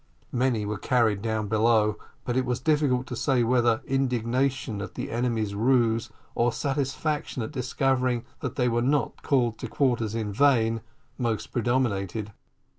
Many were carried down below, but it was difficult to say whether indignation at the enemy's ruse, or satisfaction at discovering that they were not called to quarters in vain, most predominated.